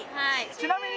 ちなみに。